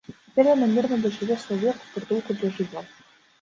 Цяпер яна мірна дажыве свой век у прытулку для жывёл.